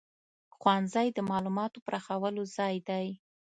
ښوونځی د معلوماتو پراخولو ځای دی.